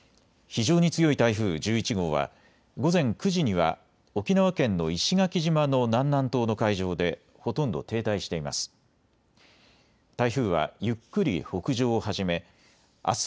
非常に強い台風１１号は午前９時には沖縄県の石垣島の南南東の海上でほとんど停滞しています。